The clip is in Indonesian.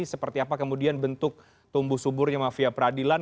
seperti apa kemudian bentuk tumbuh suburnya mafia peradilan